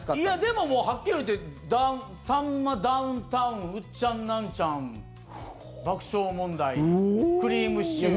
でももう、はっきり言ってさんま、ダウンタウンウッチャンナンチャン、爆笑問題くりぃむしちゅーが。